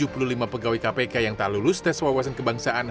tujuh puluh lima pegawai kpk yang tak lulus tes wawasan kebangsaan